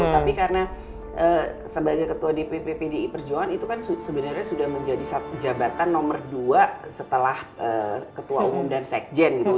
tapi karena sebagai ketua dpp pdi perjuangan itu kan sebenarnya sudah menjadi jabatan nomor dua setelah ketua umum dan sekjen gitu